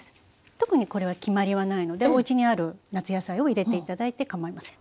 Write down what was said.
特にこれは決まりはないのでおうちにある夏野菜を入れていただいてかまいません。